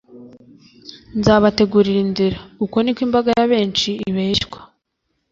Nzabategurira inzira. Uko ni ko imbaga ya benshi ibeshywa.